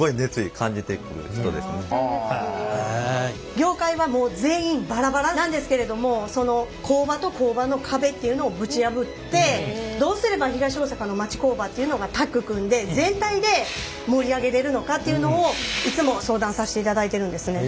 業界はもう全員バラバラなんですけれどもその工場と工場の壁っていうのをぶち破ってどうすれば東大阪の町工場っていうのがタッグ組んで全体で盛り上げれるのかっていうのをいつも相談させていただいてるんですね。